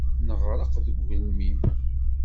Neɣreq deg ugelmim.